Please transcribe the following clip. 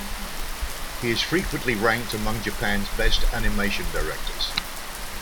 He is frequently ranked among Japan's best animation directors.